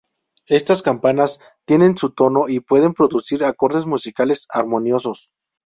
Estas campanas tienen su tono y pueden producir acordes musicales armoniosos.